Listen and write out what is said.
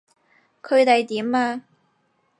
佢哋點啊？